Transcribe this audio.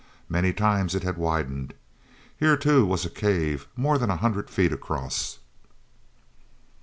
Many times it had widened. Here, too, was a cave more than a hundred feet across.